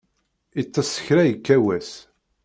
Iṭṭes kra ikka wass.